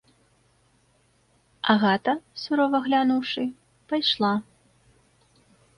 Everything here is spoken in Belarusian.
Агата, сурова глянуўшы, пайшла.